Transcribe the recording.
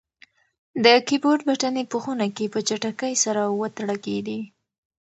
د کیبورډ بټنې په خونه کې په چټکۍ سره وتړکېدې.